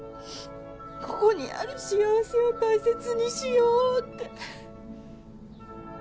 ここにある幸せを大切にしようって。